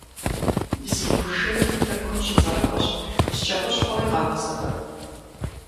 Бзииху шейр Тыркум щыцӏэрыӏуэщ, псчэ хущхъуэуи къагъэсэбэп.